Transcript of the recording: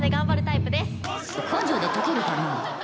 根性で解けるかのう？